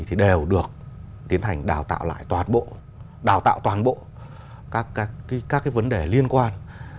thì đều được tiến hành đào tạo toàn bộ các vấn đề liên quan